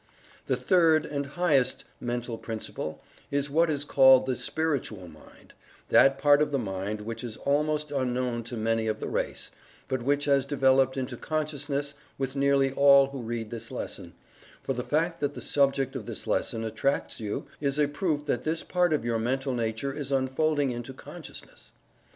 The third, and highest, Mental Principle is what is called the Spiritual Mind, that part of the mind which is almost unknown to many of the race, but which has developed into consciousness with nearly all who read this lesson, for the fact that the subject of this lesson attracts you is a proof that this part of your mental nature is unfolding into consciousness.